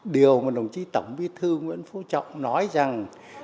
điều mà đồng chí tổng bí thư nguyễn phú trọng nói rằng